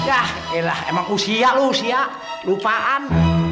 ya lah emang usia lu usia lupaan